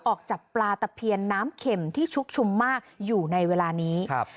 ออกจับปลาตะเพียนน้ำเข็มที่ชุกชุมมากอยู่ในเวลานี้ครับ